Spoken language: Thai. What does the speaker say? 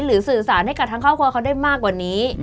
สื่อสารให้กับทั้งครอบครัวเขาได้มากกว่านี้